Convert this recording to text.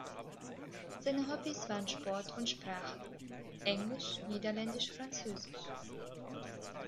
Seine Hobbys waren Sport und Sprachen: Englisch, Niederländisch, Französisch.